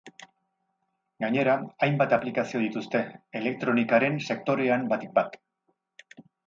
Gainera, hainbat aplikazio dituzte, elektronikaren sektorean batik bat.